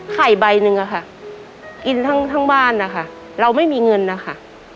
ใบหนึ่งอะค่ะกินทั้งบ้านนะคะเราไม่มีเงินนะคะ